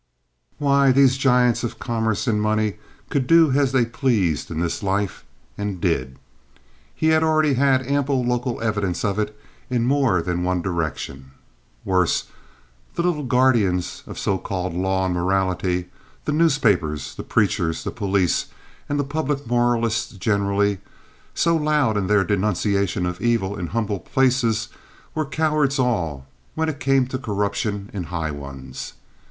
Why, these giants of commerce and money could do as they pleased in this life, and did. He had already had ample local evidence of it in more than one direction. Worse—the little guardians of so called law and morality, the newspapers, the preachers, the police, and the public moralists generally, so loud in their denunciation of evil in humble places, were cowards all when it came to corruption in high ones.